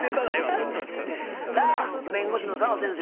そんなん。さあ弁護士の澤先生